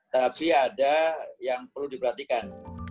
tapi ada yang perlu diperhatikan